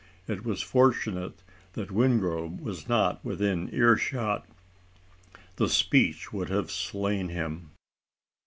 It was fortunate that Wingrove was not within earshot. The speech would have slain him.